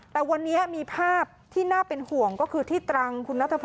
แต่วันนี้มีภาพที่น่าเป็นห่วงก็คือที่ตรังคุณนัทพง